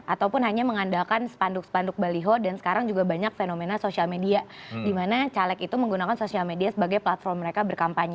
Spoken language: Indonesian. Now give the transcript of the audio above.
ataupun hanya mengandalkan spanduk spanduk baliho dan sekarang juga banyak fenomena sosial media di mana caleg itu menggunakan sosial media sebagai platform mereka berkampanye